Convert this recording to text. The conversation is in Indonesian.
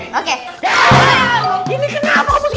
ini kenapa kamu suka bade lagi